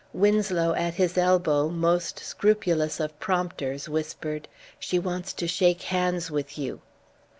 Winslow, at his elbow, most scrupulous of prompters, whispered: "She wants to shake hands with you."